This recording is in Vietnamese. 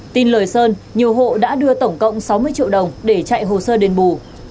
tin lời sơn nhiều hộ đã đưa tổng cộng sáu mươi triệu đồng để chạy hồ sơ đền bù